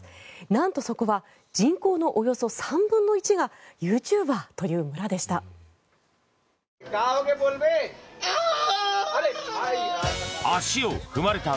なんと、そこは人口のおよそ３分の１がユーチューバーという村でした。